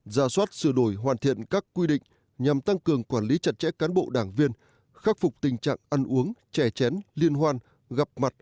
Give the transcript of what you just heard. ra soát sửa đổi hoàn thiện các quy định nhằm tăng cường quản lý chặt chẽ cán bộ đảng viên khắc phục tình trạng ăn uống